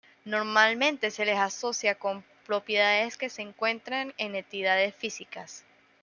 Normalmente se las asocia con propiedades que se encuentran en entidades físicas.